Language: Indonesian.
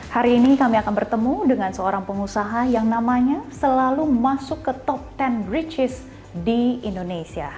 hari ini kami akan bertemu dengan seorang pengusaha yang namanya selalu masuk ke top sepuluh wriches di indonesia